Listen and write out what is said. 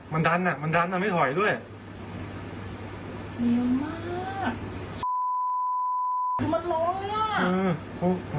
มันดันอ่ะมันดันมันไม่ถอยด้วยเยี่ยมมาก